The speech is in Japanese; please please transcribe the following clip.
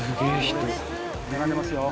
並んでますよ。